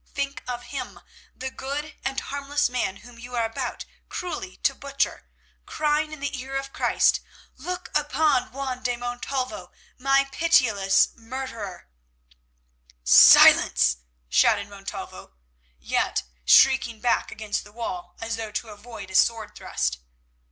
Think of him, the good and harmless man whom you are about cruelly to butcher, crying in the ear of Christ, 'Look upon Juan de Montalvo, my pitiless murderer——'" "Silence," shouted Montalvo, yet shrinking back against the wall as though to avoid a sword thrust.